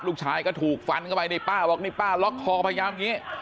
ลูกชายก็ถูกฟันเข้าไปนี่ป้าบอกนี่ป้าล็อกคอพยายามอย่างนี้